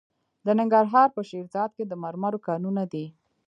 د ننګرهار په شیرزاد کې د مرمرو کانونه دي.